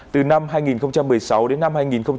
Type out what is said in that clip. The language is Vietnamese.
từ năm hai nghìn một mươi sáu đến năm hai nghìn hai mươi